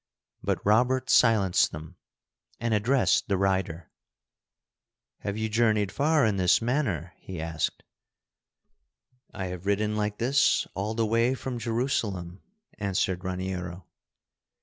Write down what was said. But Robert silenced them, and addressed the rider. "Have you journeyed far in this manner?" he asked. "I have ridden like this all the way from Jerusalem," answered Raniero.